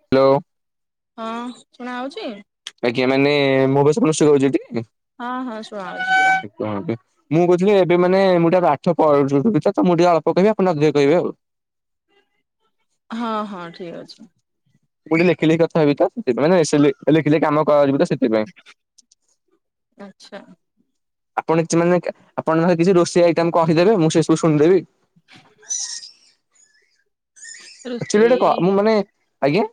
Hello. ହଁ ଶୁଣା ଯାଉଛି? ଆଜ୍ଞା ମାନେ ମୋ ଭଏସ୍ ଆପଣଙ୍କୁ ଶୁଭା ଯାଉଛି କି? ହଁ ହଁ ଶୁଣାଯାଉଛି। ମୁଁ କହୁଥିଲି ଏବେ ମାନେ ମୁଁ ଟିକେ ପାଠ ପଢୁଛିତ। ମୁଁ ଟିକେ ଅଳ୍ପ କହିବି ଆପଣ ଅଧିକ କହିବେ ଆଉ। ହଁ ହଁ ଠିକ ଅଛି। ମୁଁ ଟିକେ ଲେଖିଲେଖି କଥାହେବି ତ ସେଥିପାଇଁ ମାନେ ଏସେ ଲେ ଲେଖିଲେଖି କାମ କରିବି ତ ସେଥିପାଇଁ। ଆଚ୍ଛା। ଆପଣ କିଛି ମାନେ ଆପଣ ନହେଲେ କିଛି ରୋଷେଇ ଆଇଟମ୍ କହିଦେବେ ମୁଁ ସେ ସବୁ ଶୁଣିଦେବି। [inaudible] ଆକ୍ଚୁଲି ଗୋଟେ କହ, ରୋଷେଇ ମୁଁ ମାନେ ଆଜ୍ଞା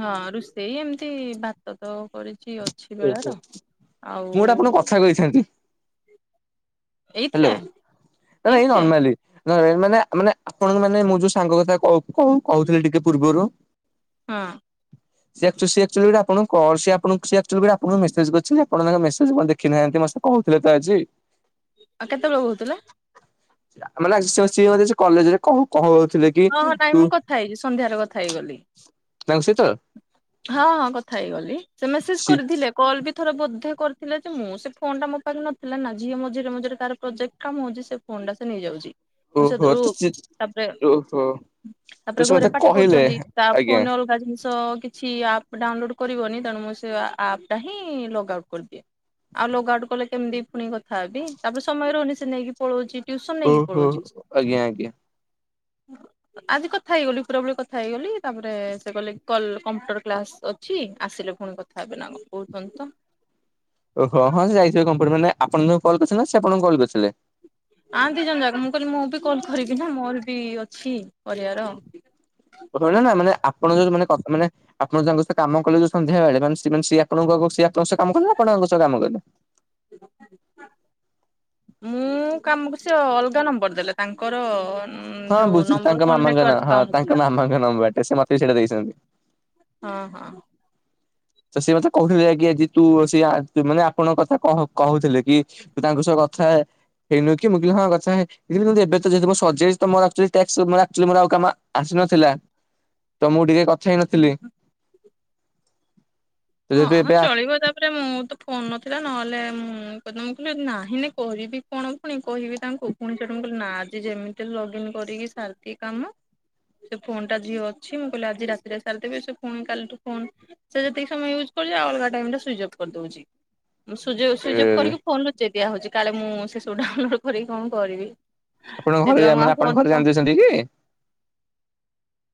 ହଁ ରୋଷେଇ ଏମତି ଭାତ ତ କରିଛି। ଅଛି ଓହୋ, ବେଳାର ଆଉ ମୁଁ ଗୋଟେ ଆପଣଙ୍କୁ କଥା କହିଥାନ୍ତି। ହାଲୋ, ଏଇଥିରେ ଏଇ ଏଇଥିରେ ନର୍ମାଲି। ନ ମାନେ, ମାନେ ଆପଣଙ୍କୁ ମାନେ ମୁଁ ଯୋଉ ସାଙ୍ଗ କଥା କ-କ-କହୁଥିଲି ଟିକେ ପୂର୍ବରୁ ହଁ ସେଚା ସେଆଚୁ ଆପଣ କଣ ସି ଆପଣ ସେ [unintelligible] ଆପଣଙ୍କୁ ମେସେଜ କରିଛନ୍ତି। ଆପଣ ତାଙ୍କ ମେସେଜ କଣ ଦେଖିନାହାନ୍ତି ମତେ କହୁଥିଲେ ତ ଆଜି। ଆ କେତେବେଳ ହୋଊଥିଲା। ଆମେ ନା ସିଏ ସିଏ ଯଦି କଲେଜରେ କ କ ହଁ ହଁ ନାହିଁ ମୁଁ କଥା ହେଇଚି ସନ୍ଧ୍ୟାରେ କଥା ହେଇଗଲି। ତାଙ୍କ ସହିତ ହଁ ହଁ କଥା ହେଇଗଲି ସେ ମେସେଜ ସି କରିଥିଲେ କ ଲ ବି ଥରେ ବୋଧେ କରିଥିଲେ ଯେ ମୁଁ ସେ ଫୋନ ଟା ମୋ ପାଖ ନଥିଲା ନାଝିଏ ମଝିରେ ମଝିରେ ତାର ପ୍ରୋଜେଟ କାମ ହଉଚି ସେ ଫୋନ ଟା ସେ ନେଇ ଯାଉଛି ମୁଁ ଓହୋ ସେଥିରୁ ତ ସି ତାପରେ ଓହୋ ତ ତାପରେ ସେ ଘରେ ମତେ ପାଟି କହିଲେ କରୁଚନ୍ତି ତା ଆଜ୍ଞା ଫୋନ୍ ରେ ଅଲଗା ଜିନିଷ କିଛି ଅପ୍ ଡାଉନଲୋଡ଼ କରିବନି ତେଣୁ ମୁଁ ସେ ଆପ୍ ଟା ହିଁ ଲଗ ଆଉଟ୍ କରିଦିଏ ଆଉ ଲଗ ଆଉଟ୍ କଲେ କେମିତି ପୁଣି କ ତଥାପି ତାପରେ ସମୟ ରହୁନି ସେ ନେଇକି ପଳଉଚି ଟ୍ୟିସନ୍ ନେଇକି ଓହୋ ପଳଉଚି। ହ ଆଜି କଥା ହେଇଗଲି ପୁରା ପୁରି କଥା ହେଇଗଲି ତାପରେ ସେ କହିଲେ କଲ୍ କମ୍ପ୍ୟୁଟର କ୍ଲାସ ଅଛି ଆସିଲେ ଭ ପୁଣି କଥା ହେବେ ନା କଣ କହୁଚନ୍ତି ତ। ଓହୋ ହଁ ସେ ଯାଇଥିବେ କମ୍ପୁଟର ମାନେ ଆପଣ ତାଙ୍କୁ କଲ୍ କରିଥିଲେ ସେ ଆପଣଙ୍କୁ କଲ୍ କରିଥିଲେ। ଆ ଦି ଜଣ ଜାକ ମୁଁ କହିଲି ମୁଁ ବି କଲ କରିବି ନା ମୋର ବି ଅଛି। କରିବାର। [unintelligible] ନା ମାନେ ଅପ୍ ଆପଣ ଯୋଉ ମାନେ କ ମାନେ ଆପଣ ତାଙ୍କ ସହତ କାମ କଲେ ଯୋଉ ସନ୍ଧ୍ୟାବେଳେ ମାନେ ସିଏ ସିଏ ଆପଣଙ୍କୁ ଆଉ ସି ଆପଣଙ୍କ ସହ କାମ କଲେ ଆପଣ [unintelligible] ମୁଁ କାମକୁ ସେ ଅଲଗା ନମ୍ବର ଦେଲେ ତାଙ୍କର ହଁ ଯୋଉ ବୁଝୁ ନମ୍ବର ତାଙ୍କ କଣ ମାମାଙ୍କ ନ ନେଟୱାର୍କ ହଁ ପାଉନଥିଲା ତାଙ୍କ ମାମାଙ୍କ ନମ୍ୱର୍ ଟେ ସେ ମତେ ସେଇଟା ଦେଇଛନ୍ତି। ହଁ ହଁ। ତ ସିଏ ମତେ କହୁଥିଲେ କି ଆଜି ତୁ ସେଇଆ ତୁ ମାନେ ଆପଣଙ୍କ କଥା କ କହୁଥିଲେ କି ତୁ ତାଙ୍କ ସହ କ କଥା ହେଇନୁ କି ମୁଁ କହିଲି ହଁ କଥା ହେଇ ଥିଲି କିନ୍ତୁ ଏବେ ତ ଯେହେତୁ ସରିଯାଇଚି ତ ମୋର ଆକ୍ଚୁଆଲି ଟ୍ୟାକ୍ସ ମୋର ଆକ୍ଚୁଆଲି ମୋର ଆଉ କାମ ଆସି ନଥିଲା ତ ମୁଁ ଟିକେ କଥା ହେଇ ନଥିଲି। ହୁଁ ହଁ ହଁ ଚଳିବ ତାପରେ ମୁଁ ତ ଫୋନ ନଥିଲା ନହେଲେ ମୁଁ ହଁ କଦ ମୁଁ କହିଲି ନାହିଁ ନେ କହିବି କଣ ପୁଣି କହିବି ତାଙ୍କୁ ପୁଣି ଶେଟୁ ମୁଁ କହିଲି ନା ଆଜି ଯେମିତି ହେଲେ ଲଗଇନ କରିକି ସାରିକି କାମ। ସେ ଫୋନ୍ ଟା ଝିଅ ଅଛି ମୁଁ କହିଲି ଆଜି ରାତିରେ ସାରିଦେବି ସେ ଫୁଣି କାଲିଠୁ ଫୋନ୍ ସେ ଯେତିକି ତ ମୁଁ ୟୁଜ କରୁଛି ଆଉ ଅଲଗା ଟାଇମ ରେ ସ୍ଵିଜ ଅଫ୍ କରିଦଉଚି ମୁଁ ସ୍ୱିଜ ଅଫ୍ ଏ ସ୍ଵିଜ୍ ଅଫ୍ କରିକି ଫୋନ୍ ରେ ଚେ ଦିଆ ହଉଚି କାଳେ ମୁଁ ସେ ସବୁ ଡାଉନଲୋଡ କରିକି କଣ କରିବି। ଆପଣଙ୍କ ଘରେ ସେଥିପାଇଁ ଜା ମୁଁ ଆଉ ମାନେ ଆପଣଙ୍କ ଘରେ ଜାଣିଦେଇଚନ୍ତି କି?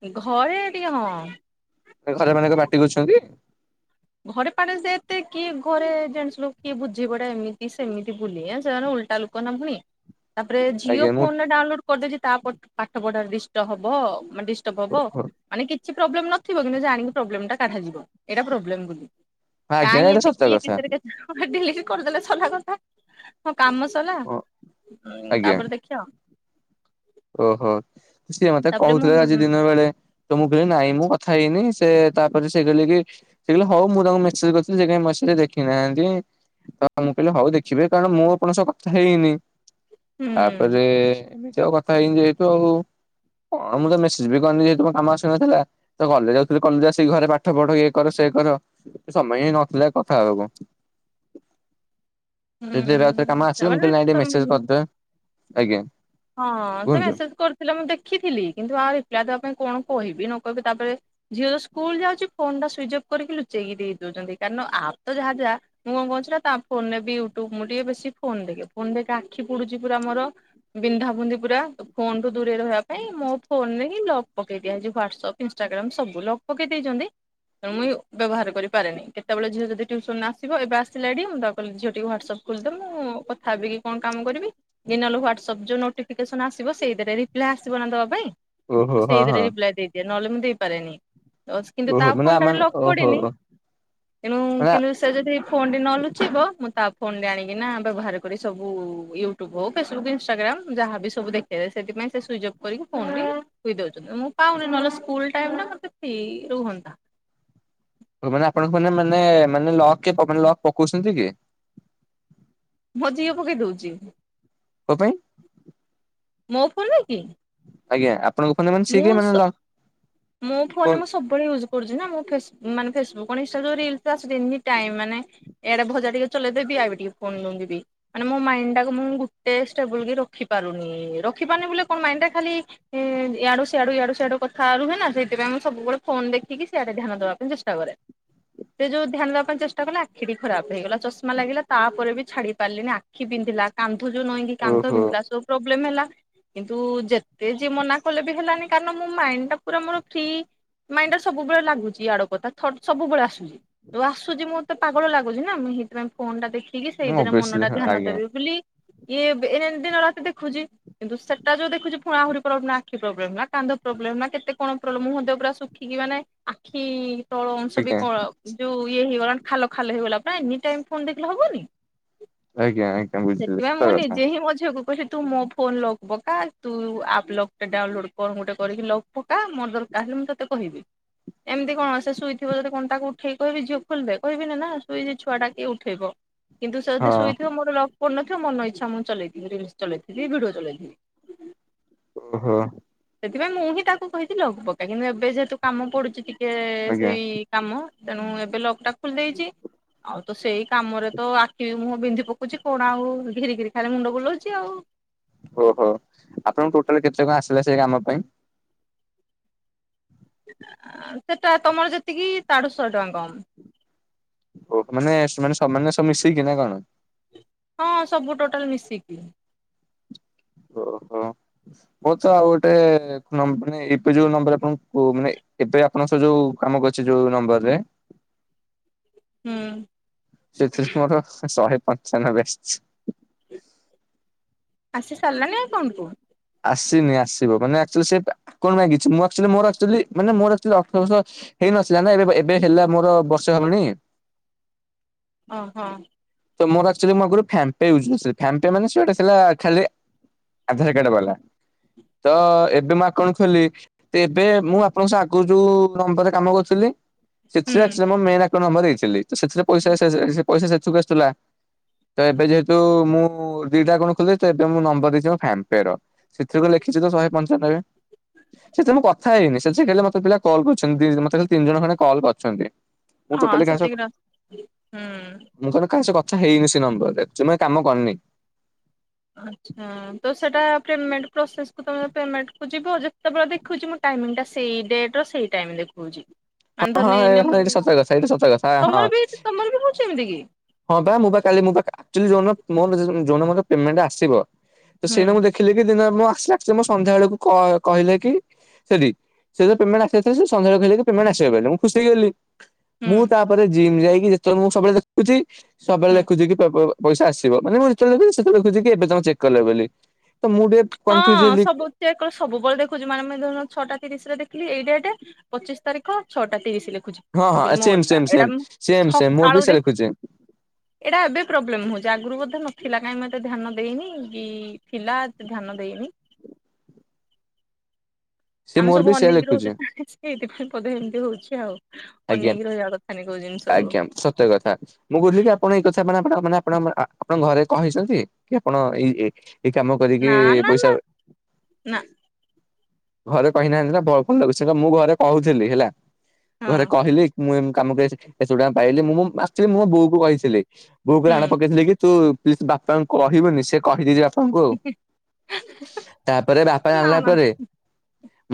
ଏ ଘରେ ଟିକେ ହଁ। ତାଙ୍କ ଘରେ ମାନେ ଙ୍କ ପାଟି କରୁଛନ୍ତି। ଘରେ ପାଣି ସେଏତେ କିଏ ଘରେ ଜନ୍ସେ୍ ଲୋକ କିଏ ବୁଝିବଏଟା ଏମିତି ସେମିତି ବୁଲି ସେମାନେ ଉଠି ଉଲଟା ଲୋକ ନ ଫୁଣି। ତାପରେ ଝିଅ ଆଜ୍ଞା ମୁଁ ଫୋନ୍ ରେ ଡାଉନଲୋଡ୍ କରିଦେଇଉଚି ତା ପ ପାଠପଢାର ଡିଷ୍ଟପ୍ ହବ ଆଉ। ମାନେ ଡିଷ୍ଟର୍ବ ହବ ମାନେ କିଛି ପ୍ରୋବ୍ଲେମ ନଥିବ କିନ୍ତୁ ଜାଣିକି ପ୍ରୋବ୍ଲେମ ଟା କାଢ଼ା ଯିବ ଏଇଟା ପ୍ରୋବ୍ଲେମ୍ ଆଜ୍ଞା କାଇଁ ଏଇଟା ଏତେ ସତ କିଏ କଥା କେଚେରେ କେଚେରେ ହବ ଡେଲି ଡେ କରିଦେଲେ ସଲା କଥା ହଁ କାମ ସଲା ଆଜ୍ଞା। ତାପରେ ଦେଖିଆ। ଓହୋ ସିଏ ମତେ ତାପରେ ମୁଁ କହୁଥିଲେ ଆଜି ହୁଁ ଦିନ ବେଳେ ତ ମୁତ କହିଲି ନାଇଁ ମୁଁ କଥା ହେଇନି। ସେ ତାପରେ ସେ କହିଲେକି ସେକହିଲେ ହଉ ମୁଁ ତାଙ୍କୁ ମେସେଜ୍ କରିଥିଲି ସେ କାଇଁ ମେସେଜ୍ ଦେଖି ନାହାନ୍ତି। ତ ମୁଁ କହିଲି ହଉଦେଖିବି କାରଣ ମୁଁ ଆପଣଙ୍କ ସହ କଥା ହେଇନି। ତାପରେ ଏମିତି ଆଉ କଥା ହେଇନି ଯେହେତୁ ଆଉ। କଣ ମୁଁ ତ ମେସେଜ୍ ବି କରିନି ଯେତମ କାମ ଆସିନଥିଲା ତ କଲେଜ୍ ଯାଉଥୁଲି କଲେଜ୍ ଆସିକି ଘରେ ପାଠ ପଢ ଇଏ କର ସେ କି କରିବ ସମୟ ହି ନଥିଲା କଥା ହେବାକୁ। ହୁଁ ଯଦି ଏବେ ଆଉଥରେ କାମ ଆସିବ ମୁଁ କହିଲି ନାଇଁ ଟିକେ ତାପରେ ମେସେଜ କରିଦବା ଆଜ୍ଞା। ହଁ ସେ କୁହନ୍ତୁ ମେସେଜ କରିଥିଲେ ମୁଁ ଦେଖିଥିଲି କିନ୍ତୁ ଆଉ ରିପ୍ଲାଏ ଦେବା ପାଇଁ କଣ କହିବି ନ ହିବୁ ତାପରେ ଝିଅ ତ ସ୍କୁଲ ଯାଉଛି ଫୋନ ଟା ସୁଇଚ୍ ଅଫ୍ କରିକି ଲୁଚେଇକି ଦେଇ ଦେଉଚନ୍ତି କାରଣ ଆପ ତ ଯାହା ଯା ମୁଁ କଣ ସେରା ତା ଫୋନରେ ବି ୟୁଟୁବ ମୁଁ ଟିକେ ବେଶୀ ଫୋନ ଦେଖେ ଫୋନ ଦେଖେ ଆଖି ପୁଡୁଛି ପୁରା ମୋର। ବିନ୍ଧା ବୁନ୍ଦି ପୁରା ଫୋନ୍ ଠୁ ଦୂରେଇ ରହିବା ପାଇଁ ମୋ ଫୋନ୍ ରେ ହିଁ ଲକ୍ ପକେଇ ଦିଆହେଇଚି ହ୍ୱାଟସପ୍ ଇନ୍ଷ୍ଟା ସବୁ ଲକ ପକେଇ ଦେଇଛନ୍ତି? ତେଣ ମୁଁ ବ୍ୟବହାର କରିପାରେନି, କେତେବେଳେ ଝିଅ ଯଦି ଟ୍ୟୁସନରେ ଆସିବ, ଏବେ ଆସିଲା ମୁଁ ତାକୁ କହିଲି ଝିଅ ଟିକେ ହ୍ୱାଟସଆପ ଖୋଲିଦେ ମୁଁ କଥା ହେବି କି କଣ କାମ କରିବି, କି ନହେଲେ ହ୍ଵାଟ୍ସଆପ ସବୁ ଯୋଉ ନୋଟିଫିକେସନ ଆସିବ ସେଇଥିରେ ରିପ୍ଲାଏ ଆସିବ ନା ଦେବା ପାଇଁଁ ଓହୋ ହଁ ସେଇଥିରେ ହଁ ରିପ୍ଲାଏ ଦେଇଦିଏ। ନଲେମୁଁ ଦେଇପାରେନି କିନ୍ତୁ ତା ଓହୋ ମାନେ ଫୋନଟା ଆମ ଲକ ଓହୋ ପଡିନି ତେଣୁ ମାନେ କିନ୍ତୁ ସେ ଯଦି ଫୋନ ଟି ନ ଲୁଚିବ ମୁଁ ତାପରେ ଫୋନ ରେ ଆଣିକିନା ବ୍ୟବହାର କରି ସବୁ ୟୁଟ୍ୟୁବ ହଉ ଫେସବୁ ୍ରାବ ଦେ୍ଁନି ନ [unintelligible] ଟାଇ ନା କ ସେ ରୁହନ୍ତା। [unintelligible] [inaudible] ମାନେ ଆପଣଙ୍କୁ ମାନେ ମାନେ ମାନେକ୍ ମାନେ ଲକ୍ ପକଉଛନ୍ତି କି? ମୋ ଝିଅ ପକେଇ ଦଉଛି, ମୋ ପାଇଁ ମୋ ଫୋନରେ କି? ଆଜ୍ଞା? ଆପଣଙ୍କ ଫୋନରେ ମାନେ ସିଏ ମୁଁ କିଏ ମାନେ ଲକ୍ ମୋ ଫୋନ କୁହନ୍ତୁ ମୁଁ ସବୁବେଳେ ଇଉଜ କରୁଛି ନା ମାନେ ଫେସବୁକ କଣଇସା ରିାଇ ମାନେ ଏଆଡେ ଭଜା ଟିକେ ଚେଇଦ ଦେବି ଆ ଟିକେ ଫୋନ ଲିବି [unintelligible] ମାନେ ମୋ ମାଇଣ୍ଡ ଟାକୁ ମୁଁ ଗୋଟେ ଷ୍ଟେବୁଲ କି ରଖି ପାରୁନି, ରଖି ପାରୁନି ବୋ କଣ ମାଇ ଟା ଖାଲି ଆଡୁ ସିଆଡୁ ଆଡୁ ସିଆଡୁ କଥା ରୁହେ ନା, ସେଇଥିପାଇଁ ମୁଁ ସବୁବେଳେ ଫୋନ ଦେଖିକି ସିଆଡେ ଧ୍ୟାନ ଦେବା ପାଇଁ ଚେଷ୍ଟ କରେ। ସେ ଯୋଉ ଧ୍ୟାନ ଦେବା ପାଇଁ ଚେଷ୍ଟା କଲେ ଆଖି ଟି ଖରାପ ହେଇଗଲା ଚଷମା ଲାଗିଲା ତାପରେ ବି ଛାଡି ପାରିଲିନି ଆଖି ବିନ୍ଧ ଥିଲା କାନ୍ଧ ଯୋଉ ନହିଁକି କାନ୍ଧ ଓହୋ ବିନ୍ଧିଲା ସବୁ ପ୍ରୋବ୍ଲେମ ହେଲା କିନ୍ତୁ ଯେତେ ଯେ ମନା କଲେ ବି ହେଲାନି କାରଣ ମାଇଣ୍ଡ ଟା ପୁରା ମୋର ଫି ମାଇଣ୍ଡ ଟା ସବୁବେଳେ ଲାଗୁଛି ଆଡ କଥାଟ ସବୁବେଳେ ଆସୁଛିଉ ଆସୁଛି ମତେ ପାଗଳ ଲାଗୁଛି ନା? ସେଇଥିପାଇଁ ଫୋନ ଟା ଦେଖିକି ମୁଁ ସେଇଦରେ ଓବିଅସଲି ମନଟା ହଁ ଧ୍ୟାନ ଆଜ୍ଞା। ଦେବେି ବୋଲି ଇଏ ଏନ ଦିନ ରାତି ଦେଖୁଛି କିନ୍ତୁ ସେଟା ଯୋଉ ଦେଖୁଛି ପୁଣି ଆହୁରି ପଳଉ ନା ଆଖି ପ୍ରୋବ୍ଲେ ନା କା ପ୍ରୋବ୍ଲେମ ନା କେତେ କଣ ପ୍ରୋବ୍ଲେମ ମୁଁ ମଧ୍ୟ ପୁରା ଶୁଖିକି ମାନେ ଆଖି ତଳ ଅଂଶ ବି ଆଜ୍ଞା କଣ ଯୋଉ ଇଏ ହେଇଗଲାଣି ଖାଲ ଖାଲ ହେଇଗଲା ଏନି ଟାଇମ୍ ଫୋନ ଦେଖିଲେ ହବନି? ଆଜ୍ଞା ଆଜ୍ଞା? ବୁଝିଲି ସେଥିପାଇଁ ସତ ମୁଁ କଥା ନିଜେ ହିଁ ମୋ ଝିଅ କୁ କହିଲି ତୁ ମୋ ଫୋନ ଲଗ ପକା, ତୁ ଆପ୍ ଲଗ ଟା ଡାଉନଲୋଡ କଣ ଗୋଟେ କରିକି ଲଗ ପକା ମୋରର ତାହେଲେ ମୁଁ ତତେ କହିବି। ଏମିତି କଣ ସେ ଶୋଇଥିବ ଯଦି -କଣ ତାକୁ ଉଠେଇ କହିବି ଝିଅ ଖୋଲିଦେ, କହିବିିନି ନା ଶୋଇଛି ଛୁଆ ଟା କିଏ ଉଠେଇବ। କିନ୍ତୁ ସେ ଯଦି ହଁ ଶୋଇଥିବ ମୋର ପଡିନଥିବା ମନ ଇଚ୍ଛା ମୁଁ ଚଳେଇଥିବି ରିଲସ, ଚଳେଇଥିବି ଭିଡିଓ ଚଳେଇଥିବି। ଓହୋ? ସେଥିପାଇଁ ମୁଁ ହିଁ ତାକୁ କହିଥିଲି ଲକ ପକ୍କା କିନ୍ତୁ ଏବେ ଯେହେତୁ କାମ ପଡୁଛି ଟିକେ ଆଜ୍ଞା ସେଇ କାମ ତେଣୁ ଏବେ ଲଗ ଟା ଖୋଲି ଦେଇଛି ଆଉ ତ ସେଇ କାମରେ ତ ଆଖି ମୁହଁ ବିନ୍ଧି ପକଉଛି କଣ ଆଉ ଘିରି ଘିରି ଖାଇଲେ ମୁଣ୍ଡ ବୁଲାଉଛି ଆଉ ଓହୋ ଆପଣଙ୍କୁ ଟୋଟାଲ କେତେ କଣ ଆସିଲା ସେ କାମ ପାଇଁ? ସେଟା ତମର ଯେତିକି, ତାଠୁ ଶହେ ଟଙ୍କା କମ। ଓହ ମାନେ, ମାନେ ସମାନ ସବୁ ମିଶେଇକି ନା କଣ? ହଁ ସବୁ ଟୋଟାଲ ମିଶିକି। ଓହୋ ହୋ ତ, ଆଉ ଗୋଟେ ମାନେ ଯୋଉ ନମ୍ବର ଆପଣଙ୍କୁ ମାନେ [inaudible] ଏବେ ଆପଣଙ୍କ ସ ଯୋଉ କାମ କରିଛି ଯୋଉ ନମ୍ବରରେ ହୁଁ ସେଥିରେ ମୋର ଶହେ ପାଞ୍ଚ ଜଣ ବେଷ୍ଟ। ଆସି ସାରିଲାଣିି ଆପଣଙ୍କୁ? ଆସିନି ଆସିବ ମାନେ ଆକଚୁଆଲି ସେ ଆ କରନା କିଛି ମୁଁ ଆକଚୁଆଲି ମୋର ଆକଚୁଆଲି ମାନେ ଆକଚୁଆଲି ଅଠର ବର୍ଷ ହେଇନଥିଲା ନା ଏବେ ଏବେ ହେଲା ମୋର ବର୍ଷେ ହବଣି ହଁ ହଁ। ତ ମୋର ଆକଚୁଆଲି ମୁଁ ଆଗରୁ ଫ୍ୟାମ୍ ପେ ୟୁଜ କରୁଥିଲି ଫ୍ୟାମ୍ ପେ ମାନେ ସିଏ ଗୋଟେ ଥିଲା ଖାଲି ଆଧାର କାର୍ଡ ବାଲା। ତ ଏବେ ମୁଁ ଆକାଉଣ୍ଟ ଖୋଲିଲି। ତ ଏବେ ମୁଁ ଆପଣଙ୍କ ସହ ଆଗରୁ ଯୋଉ ନମ୍ବରରେ କାମ କରୁଥିଲି ହୁଁ ସେଥିରେ ଆକଚୁଆଲି ମୋ ମେନ୍ ଆକାଉଣ୍ଟ ନମ୍ବର ଦେଇଥିଲି ତ ସେଥିରେ ପଇସା ଆସିବା ଯାଏ ସେ-ସେ-ସେ ପଇସା ସେଥିକୁ ଆସୁଥିଲା। ତ ଏବେ ଯେହେତୁ ମୁଁ ଦିଟା କଣ ଖୋଲିବି ତ ଏବେ ମୁଁ ନମ୍ବର ଦେଇଛି ଫ୍ୟାନ୍ ପେର ସେଥିରୁ କଣ ଲେଖି କିଛି ତ ଶହେ ପଞ୍ଚାନବେ ସେଥିରେ ମୁଁ କଥା ହେଇନି ସେଥିରେ ଖାଲି ମତେ ପିଲା କଲ୍ କରିଛନ୍ତି ଦି ମତେ ଖାଲି ତିନି ଜଣ ଖଣ୍ଡେ କଲ୍ କରିଛନ୍ତି। ମୁଁ ହଁ ଟୋଟାଲି କାହା ସହ ସେତିକିର ହୁଁ। କାଇଁ ସେ କଥା ହେଇନି ସେ ନମ୍ବରରେ ଆକଚୁଆଲି କାମ କରିନି। ଆଚ୍ଛା ତ ସେଟା ପେମେଣ୍ଟ ପ୍ରୋସେସ କୁ ତ ପେମେଣ୍ଟ୍ କୁ ଯିବ ଯେତେବେଳେ ଦେଖୁଚି ମୁଁ ଟାଇମିଙ୍ଗ ଟା ସେଇ ଡେଟର ସେଇ ଟାଇମ ଦେଖଉଚି। ହଁ [unintelligible] ହଁ ଏ ନେଇନ ହଁ ଏଇଟା ମୁଁ ସତ କଥା ଏଇଟା ସତ କଥା ହଁ। ତମର ବି ତମର ବି ହଉଛି ଏମିତି କି? ହଁ ବା ମୁଁ ବା କାଲି ମୋ ବା ଆକଚୁଆଲି ଯୋଉଦିନ ମୋ ନ ଯୋଉଦିନ ମତେ ପେମେଣ୍ଟ ଆସିବ ତ ହୁଁ ସେଇନା ମୁଁ ଦେଖିଲି କି ଦିନେ ମୁଁ ଆସି ସାରିଛି ମୁଁ ସନ୍ଧ୍ୟା ବେଳକୁ କ କହିଲେ କି ସେଠି ସେ ପେମେଣ୍ଟ ଆସିବାର ଥିଲା ସେ ସନ୍ଧ୍ୟା ବେଳକୁ କହିଲେ କି ପେମେଣ୍ଟ ଆସିବ ବୋଲି ମୁଁ ଖୁସି ହେଇଗଲି। ହୁଁ ମୁଁ ତାପରେ ଜିମ୍ ଯାଇକି ଯେତେବେଳେ ମୁଁ ସବୁବେଳେ ଦେଖୁଛି ସବୁବେଳେ ହୁଁ। ଦେଖୁଛି କି ପଇସା ଆସିବ ମାନେ ମୁଁ ଯେତବେଳେ ଦେଖୁଚି ସେତେବେଳେ ଲେଖୁଚି କି ଏବେ ତମେ ଚେକ୍ କଲେ ବୋଲି। ତ ମୁଁ ଟିକେ ହଁ କନଫ୍ୟୁଜ ହେଲି ସବୁ ଚେକ୍ କଲେ ସବୁବେଳେ ଦେଖୁଛୁ ମାନେ ମାନେ ଧର ଛଅଟା ତିରିଶରେ ଦେଖିଲି ଏଇ ଡେଟ୍ ଟେ ପଚିଶ ତାରିଖ ଛଅଟା ତିରିଶ ଲେଖୁ ଛି। ହଁ ମୁଁ ହଁ କହିଲି ମୁଁ ସେମ୍ ଓଲା। ସେମ୍ ଏଇଟା ସେମ୍ ମୁଁ ସେମ୍ ସେମ୍ ମୋର ବି ସକାଳୁ ସେ ଲେଖୁଛି। ଦେଖି ଏଇଟା ଏବେ ପ୍ରୋବ୍ଲେମ ହଉ ଚି ଆଗରୁ ବୋଧେ ନଥିଲା କାଇଁ ମୁଁ ଏତେ ଧ୍ୟାନ ଦେଇନି କି ଥିଲା ଧ୍ୟାନ ଦେଇନି। ସେ ଆମେ ମୋର ସବୁ ବି ସେୟା ଅନେଇକି ରହୁଛେ ଲେଖୁଛି ନା ସେଇଥିପାଇଁ ବୋଧେ ଏମିତି ହଉଛି ଆଉ। ଆଜ୍ଞା ଅନେଇକି ରହିବା କଥାନି କୋଉ ଜିନିଷକୁ ଆଜ୍ଞା ସତ୍ୟ କଥା ମୁଁ କହୁଥିଲି କି ଆପଣ ଏଇକଥା ସେମାନେ ଆପ ମାନେ ଆପଣ ଆପଣଙ୍କ ଘରେ କହିଛନ୍ତି କି ଆପଣ ଏଇ ଏ ଏଇ କାମ କରିକି ନା ନା ନା ପଇସା ନା ଘରେ କହିନାହାଁନ୍ତି ନା [unintelligible] ମୁଁ ଘରେ କହୁଥିଲି ହେଲା। ହଁ ଘରେ କହିଲି ମୁଁ ଏମ କାମଠୁ ଆଇଚି ଏତେ ଟଙ୍କା ପାଇଲି ମୁଁ ମୋ ଆକଚୁଆଲି ମୁଁ ମୋ ବୋଉକୁ କହିଥିଲି, ବୋଉକୁ ହୁଁ। ରାଣ ପକେଇଥିଲି କି ତୁ ଥିଲି ତୁ ବାପାଙ୍କୁ କହିବୁନି ସେ କହିଦେଇଛି ବାପାଙ୍କୁ ଆଉ। ତାପରେ ବାପା ମା ଜାଣିଲା ମାନେ ପରେ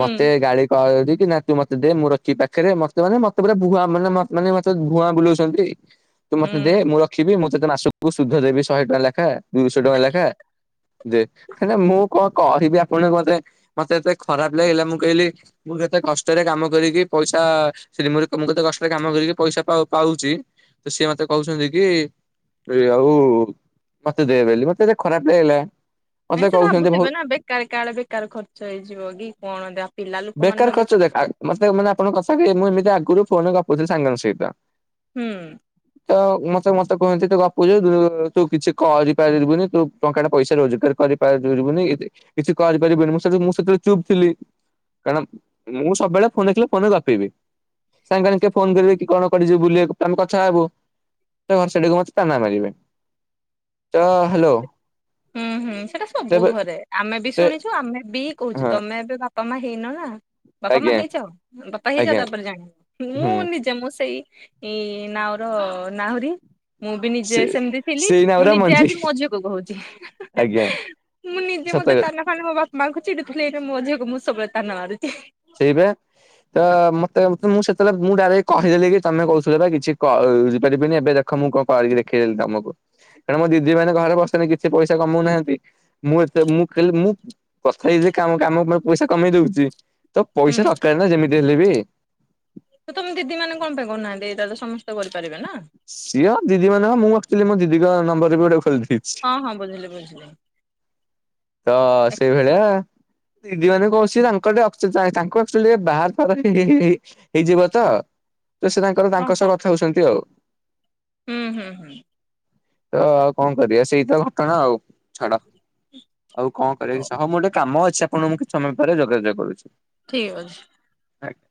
ହୁଁ ଗାଳି କରି ନା ତୁ ମତେ ଦେ ମୁଁ ରଖିବି ପାଖରେ ମତେ ମାନେ ମତେ ପୁରା ଭୁଆଁ ମାନେ ମାନେ ମତେ ଭୁଆଁ ବୁଲଉଛନ୍ତି। ତୁ ମତେ ଦେ ହୁଁ। ମୁଁ ରଖିବି ମୁଁ ତତେ ମାସକୁ ସୁଧ ଦେବି ଶହେ ଟଙ୍କା ଲେଖାଁ ଦୁଇଶହ ଟଙ୍କା ଲେଖାଁ ଦେ କାଇଁନା ମୁଁ କଣ କହିବି ଆପଣଙ୍କୁ ମତେ ମତେ ଏତେ ଖରାପ ଲାଗିଲା ମୁଁ କହିଲି ମୁଁ କେତେ କଷ୍ଟରେ କାମ କରିକି ପଇସା ସେ ମୁଁ କେତେ କଷ୍ଟରେ କାମ କରିକି ପଇସା ପାଉ ପାଉଚି ତ ସିଏ ମତେ କହୁଛନ୍ତି କି ଏ ଆଉ ମତେ ଦେ ବେଲି ମତେ ଏତ ଖରାପ ଲାଗିଲା ନାଇଁ ମତେ ସେ କହୁଛନ୍ତି ବହୁତ ଭାବୁଥିବେ ନା ବେକାର କାଳେ ବେକାର ଖର୍ଚ୍ଚ ହେଇଯିବ କି କଣ ଦେ ପିଲା ଲୋକମାନେ ତ ବେକାର ଦେଖ ମତେ ମାନେ ଆପଣଙ୍କ କଥା କହିବେ ମୁଁ ଏମିତି ଆଗରୁ ଫୋନରେ ଗପୁଥିଲି ସାଙ୍ଗଙ୍କ ସହିତ ହୁଁ। ତ ମତେ ମତେ କୁହନ୍ତି ତୁ ଗପୁଚୁ ତୁ ତୁ କିଛି କରିପାରିବୁନି ତୁ ଟଙ୍କାଟେ ପଇସା ରୋଜଗାର କରିି ପାରିବୁନି କିଛି କରି ପାରିବୁନି ମୁଁ ସେତେ ମୁଁ ସେତେବେଳେ ଚୁପ ଥିଲି। କାରଣ ମୁଁ ସବୁବେଳେ ଫୋନ ଦେଖିଲେ ଫୋନରେ ଗପିବି ସାଙ୍ଗମାନେ କିଏ ଫୋନ କରିବେ କି କଣ କୁଆଡ଼େ ଯିବୁ ବୁଲିଆକୁ ଆମେ କଥା ହବୁ ତ ଘର ସେଠିକୁ ମତେ ତାନା ମାରିବେ ତ ହ୍ୟାଲୋ। ହୁଁ ହୁଁ ସେଟା ସବୁ ତେବେ ଘରେ ଆମେ ବି ତେ ଶୁଣିଛୁ ଆମେ ବି କହୁଛୁ ହଁ ତମେ ଏବେ ବାପା ବାପା ମା ହେଇନ ନା ବାପା ମା ଆଜ୍ଞା ହେଇଛ ବାପା ହେଇଯ ଆଜ୍ଞା ତାପରେ ଜାଣିନ ହୁଁ ମୁଁ ନିଜେ ମୁଁ ସେଇ ଏଇ ନାଉ ର ନାହୁରୀ। ମୁଁ ବି ସେ ନିଜେ ସେମିତି ଥିଲି ସେଇ ମୁଁ ନାଉରା ନିଜେ ମଞ୍ଜି ଆଜି ମଝିକୁ କହୁଛି। ଆଜ୍ଞା ମୁଁ ନିଜେ ସତ ମୋତେ ତାନା ଫାନ ମୋ ବାପା ମାଙ୍କୁ ଚଡୁଥିଲ ଏଇ ମୋ ଝିଅକୁ ମୁଁ ସବୁଳ ତାନା ମାରୁଛିି। ସେଇବେ ତ ମତେ ମୁଁ ସେତ ତାଲେ ମୁଁ ଡାଇରେକ୍ଟ କହିଦେଲି, କି ତମେ କହୁ ବା କିଛି ବୁଝିପାରିବିନି ଏବେ ଦେଖ ମୁଁ କଣ କରିକି ଦେଖେଇଦେଲି ତମକୁ। କାରଣ ମୋ ଦିଦି ମାନେ ଘରେ ବସଛନ୍ତୀ କିଛି ପଇସା କମଉନାହାନ୍ତି ମୁଁ ଏ ମୁଁ ମୁଁ କଥା ହେଇ କ କାମକୁ ପଇସା କମେଇ ଦଉଛି, ତ ହୁଁ ପଇସା ଦରକାର ନା ଯେମିତି ହେଲେ ବି। ତମେ ଦିଦି ମାନେ କଣ ପାଇଁ କରୁନାହାନ୍ତି ଏଇଟା ତ ସମସ୍ତେ କରିପାରିବେ ନା ସିଏ ଦିଦି ମେ ହ ମୁଁକ୍ଚୁଆଲି ମୋ ଦିଦିଙ୍କ ନମ୍ବରରେ ବି ଗୋଟେ ଖୋିଲିଛି ହଁ ହଁ ବୁଝିଲି ବୁଝିଲି। ତ ସେଇ ଭଳିଆ। ଦିଦି ମାନେ ତ ସେ ତାଙ୍କର ତାଙ୍କ ହଁ ହଁ ସହ କଥା ହଉଛନ୍ତି ଆଉ ହୁଁ ହୁଁ ହୁଁ। ତ ଆଉ କଣ କରିବା ସେଇତ ଘଟଣା ଆଉ ଛାଡ ଆଉ କଣ ହଉ କରିବି ହ ମୁଁ ଗୋଟେ କାମ ଅଛି ଆପଣଙ୍କୁଁ କିଛି ସମୟ ପରେ ଯୋଗାଯୋଗ କରୁଛି ଠିକ ଅଛି। ଆଜ୍ଞ